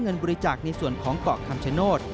เงินบริจาคในส่วนของเกาะคำชโนธ